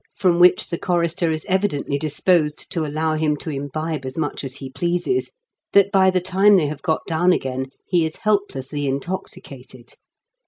61 from which the chorister is evidently disposed to allow him to imbibe as much as he pleases, that by the time they have got down again he is helplessly intoxicated.